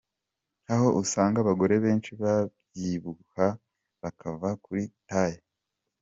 Aho usanga abagore benshi babyibuha bakava kuri taille,.